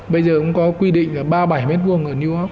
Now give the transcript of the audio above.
bây giờ cũng có quy định là ba mươi bảy m hai ở newark